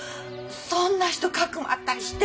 そんな人かくまったりして。